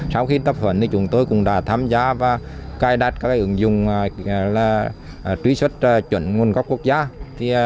sau khi tập huấn chúng tôi cũng đã tham gia và cài đặt các ứng dụng truy xuất chuẩn nguồn gốc quốc gia